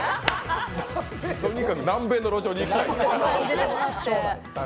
とにかく南米の路上に行きたいと。